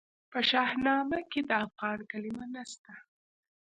په شاهنامه کې د افغان کلمه نسته.